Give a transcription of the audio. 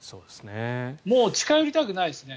近寄りたくないですね